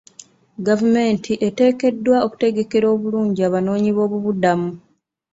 Gavumenti eteekeddwa okutegekera obulungi abanoonyi b'obubuddamu.